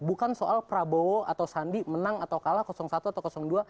bukan soal prabowo atau sandi menang atau kalah satu atau dua